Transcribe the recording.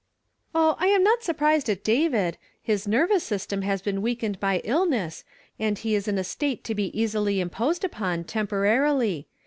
" Oh, I am not surprised at David ; his nervous system has been weakened by illness, and he is ill a state to be easily imposed upon, temporarily.